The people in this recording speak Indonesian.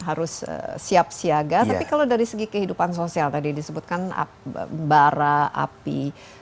harus siap siaga tapi kalau dari segi kehidupan sosial tadi disebutkan bara api